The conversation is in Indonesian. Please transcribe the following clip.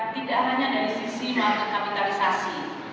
tidak hanya dari sisi natur kapitalisasi